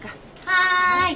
はい。